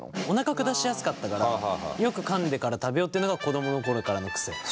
おなか下しやすかったからよくかんでから食べようっていうのが子供の頃からの癖。